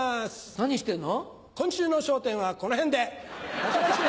何してんの？